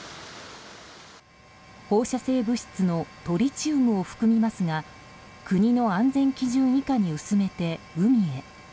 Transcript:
放射性物質のトリチウムを含みますが国の安全基準以下に薄めて海へ。